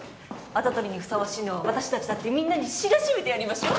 跡取りにふさわしいのは私たちだってみんなに知らしめてやりましょ。